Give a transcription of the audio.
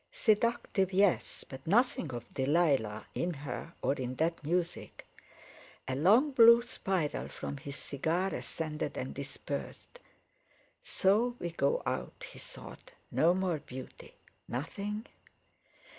Seductive, yes; but nothing of Delilah in her or in that music. A long blue spiral from his cigar ascended and dispersed. "So we go out!" he thought. "No more beauty! Nothing?"